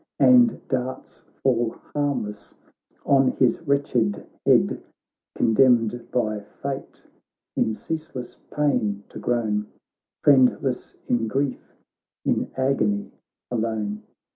And darts fall harmless on his wretched head ; Condemned by fate in ceaseless pain to groan, Friendless in grief, in agony alone.